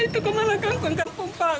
itu kemana kampung kampung pak